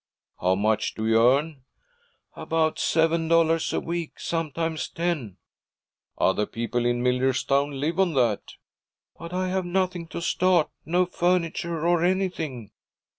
'How much do you earn?' 'About seven dollars a week. Sometimes ten.' 'Other people in Millerstown live on that.' 'But I have nothing to start, no furniture or anything.'